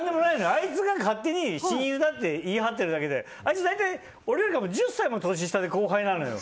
あいつが勝手に親友だと言い張ってるだけであいつは俺よりも１０歳年下で後輩なのよ。